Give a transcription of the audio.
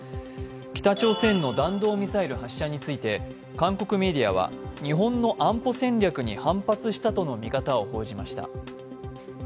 北朝鮮の弾道ミサイル発射について韓国メディアは日本の安保戦略に反発したとの見方を報じました。